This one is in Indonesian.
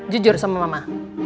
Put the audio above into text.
jujur sama mama